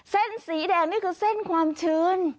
เส้นสีแดงนี่คือเส้นความชื้น